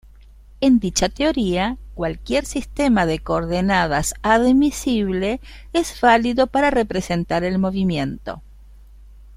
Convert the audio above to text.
En dicha teoría cualquier sistema de coordenadas admisible es válido para representar el movimiento.